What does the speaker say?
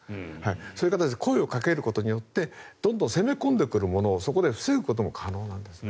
そういう形で声をかけることによってどんどん攻め込んでくる者をそこで防ぐことも可能なんです。